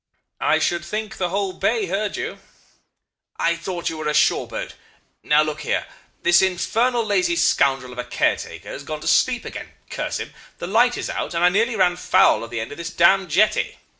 "'I should think the whole bay heard you.' "'I thought you were a shore boat. Now, look here this infernal lazy scoundrel of a caretaker has gone to sleep again curse him. The light is out, and I nearly ran foul of the end of this damned jetty.